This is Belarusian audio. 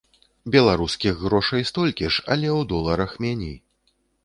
Беларускіх грошай столькі ж, але у доларах меней.